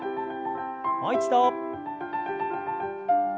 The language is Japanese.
もう一度。